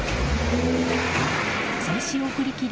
制止を振り切り